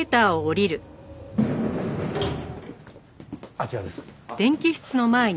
あちらです。